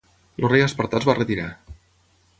El rei espartà es va retirar.